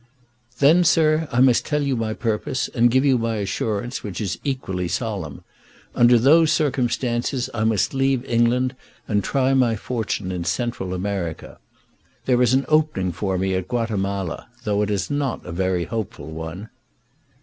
"Then, sir, I must tell you my purpose, and give you my assurance, which is equally solemn. Under those circumstances I must leave England, and try my fortune in Central America. There is an opening for me at Guatemala, though not a very hopeful one."